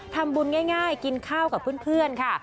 ทำบุญง่ายกินข้าวกับเพื่อนค่ะ